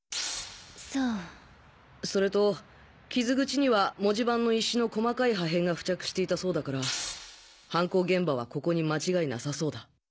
それと傷口には文字盤の石の細かい破片が付着していたそうだから犯行現場はここに間違いなさそうだ。